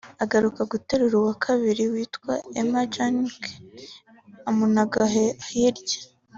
agaruka guterura uwa kabiri witwa Emma Jenkins amunaga hirya